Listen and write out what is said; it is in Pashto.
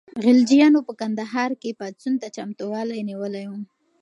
غلجیانو په کندهار کې پاڅون ته چمتووالی نیولی و.